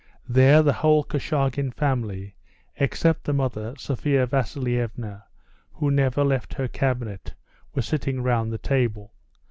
There the whole Korchagin family except the mother, Sophia Vasilievna, who never left her cabinet were sitting round the table.